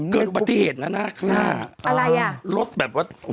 เกิดปัจจิเหตุแล้วค่ะอะไรอย่างรถแบบว่า